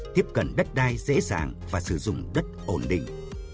tiếp cận đất đai dễ dàng và sử dụng đất ổn định